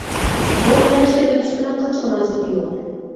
يول مېڭىشنى ئۆگىنىشى بىلەن قىلچە مۇناسىۋىتى يوق.